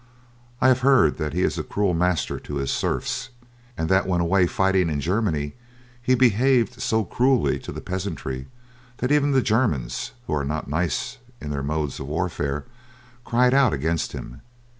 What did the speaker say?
I have heard that he is a cruel master to his serfs, and that when away fighting in Germany he behaved so cruelly to the peasantry that even the Germans, who are not nice in their modes of warfare, cried out against him.